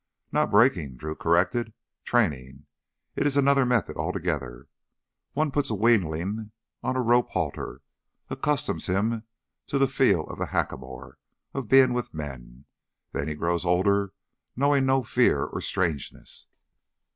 "Not breaking," Drew corrected, "training. It is another method altogether. One puts a weanling on a rope halter, accustoms him to the feel of the hackamore, of being with men. Then he grows older knowing no fear or strangeness."